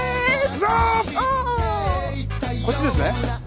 こっちですね？